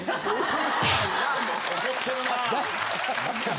怒ってるなぁ。